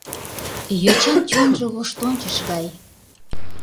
Йочан чонжо воштончыш гай.